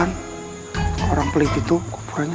baik ini masanya